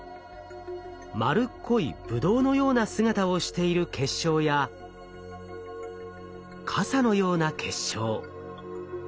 丸っこいぶどうのような姿をしている結晶や傘のような結晶。